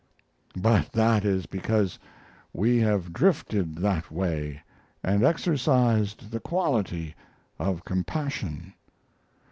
but that is because we have drifted that way and exercised the quality of compassion.